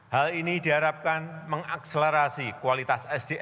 hal ini diharapkan mengakselerasi kualitas sdm